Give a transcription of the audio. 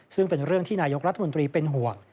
ซึ่งเป็นเรื่องที่นายกรัฐมนตรีเป็นห่วง